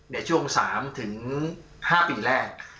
ในช่วง๓๕ปีแรก